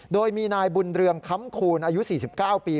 โดยมีนายบุญเรืองค้ำคูณอายุ๔๙ปี